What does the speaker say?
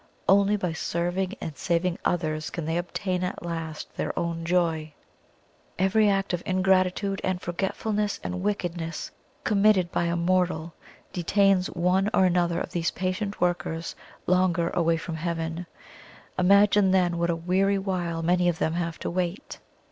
Only by serving and saving others can they obtain at last their own joy. Every act of ingratitude and forgetfulness and wickedness committed by a mortal, detains one or another of these patient workers longer away from Heaven imagine then what a weary while many of them have to wait."